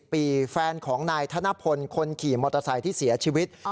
ปีแฟนของนายธนพลคนขี่มอเตอร์ไซค์ที่เสียชีวิต